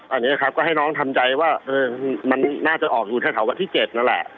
อันนี้ครับก็ให้น้องทำใจว่ามันน่าจะออกอยู่แถววันที่๗นั่นแหละ